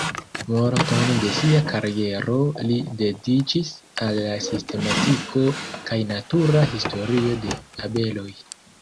Multon de sia kariero li dediĉis al la sistematiko kaj natura historio de abeloj.